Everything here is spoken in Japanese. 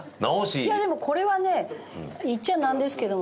いやでもこれはね言っちゃなんですけどもこの。